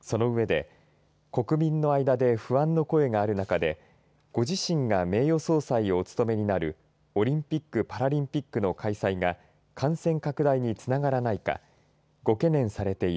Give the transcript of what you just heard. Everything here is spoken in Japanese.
その上で国民の間で不安の声があるなかでご自身が名誉総裁をお務めになるオリンピックパラリンピックの開催が感染拡大につながらないかご懸念されている。